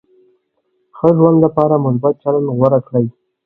ښه ژوند لپاره مثبت چلند غوره کړئ.